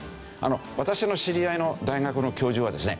私の知り合いの大学の教授はですね